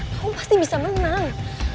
kamu pasti bisa menang